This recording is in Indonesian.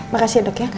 makasih ya dok ya